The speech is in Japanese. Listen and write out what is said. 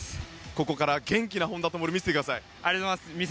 ここから元気な本多灯見せてください。